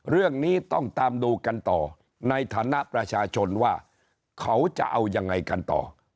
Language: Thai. เรื่องนี้ต้องตามดูกันต่อในฐานะประชาชนว่าเขาจะเอายังไงกันต่อ